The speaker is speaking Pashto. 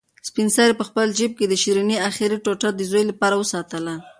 سپین سرې په خپل جېب کې د شیرني اخري ټوټه د زوی لپاره وساتله.